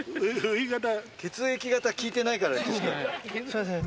血液型聞いてないから、岸君。